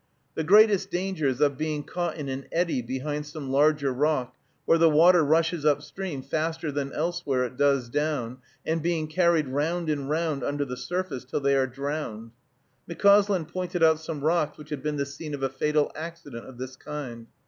The greatest danger is of being caught in an eddy behind some larger rock, where the water rushes up stream faster than elsewhere it does down, and being carried round and round under the surface till they are drowned. McCauslin pointed out some rocks which had been the scene of a fatal accident of this kind.